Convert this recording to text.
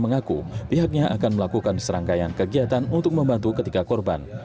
mengaku pihaknya akan melakukan serangkaian kegiatan untuk membantu ketiga korban